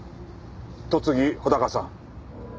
戸次穂高さん。